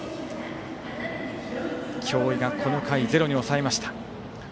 京井が、この回ゼロに抑えました。